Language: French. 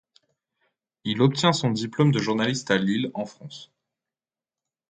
Il obtient son diplôme de journaliste à Lille, en France.